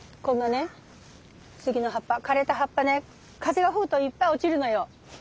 こんなね杉の葉っぱ枯れた葉っぱね風が吹くといっぱい落ちるのよ。